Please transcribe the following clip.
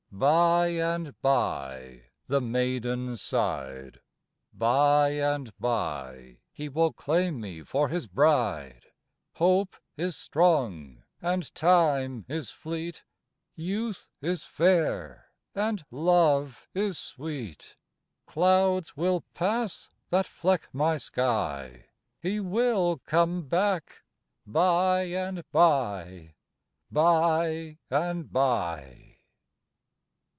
BY AND BY. "By and by," the maiden sighed "by and by He will claim me for his bride, Hope is strong and time is fleet; Youth is fair, and love is sweet, Clouds will pass that fleck my sky. He will come back by and by by and by."